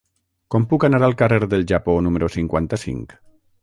Com puc anar al carrer del Japó número cinquanta-cinc?